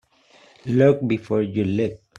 Look before you leap.